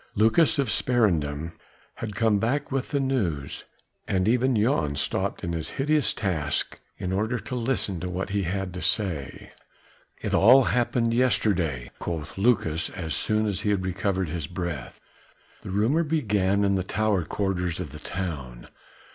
Lucas of Sparendam had come back with the news, and even Jan stopped in his hideous task in order to listen to what he had to say. "It all happened yesterday," quoth Lucas as soon as he had recovered his breath, "the rumour began in the lower quarters of the town.